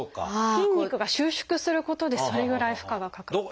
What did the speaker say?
筋肉が収縮することでそれぐらい負荷がかかると。